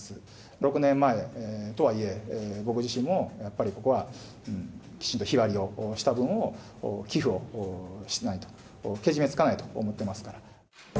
６年前とはいえ、僕自身もやっぱりここは、きちんと日割りをした分を寄付をしないと、けじめつかないと思ってますから。